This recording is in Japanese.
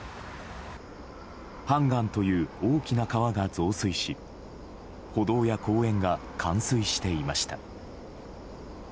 ハンガンという大きな川が増水し歩道や公園が冠水していました。